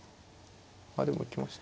まあでも浮きました。